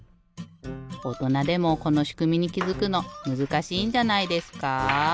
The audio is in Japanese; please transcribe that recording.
おとなでもこのしくみにきづくのむずかしいんじゃないですか？